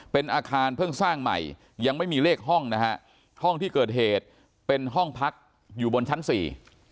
เป็นอาคารเพิ่งสร้างใหม่ยังไม่มีเลขห้องนะฮะห้องที่เกิดเหตุเป็นห้องพักอยู่บนชั้นสี่